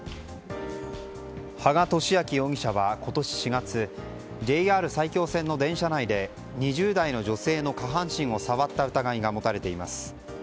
羽賀聡明容疑者は今年４月ＪＲ埼京線の電車内で２０代の女性の下半身を触った疑いが持たれています。